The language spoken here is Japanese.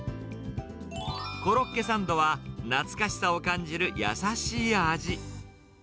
コロッケサンドは、懐かしさを感じる優しい味。